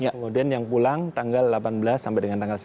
kemudian yang pulang tanggal delapan belas sampai dengan tanggal sembilan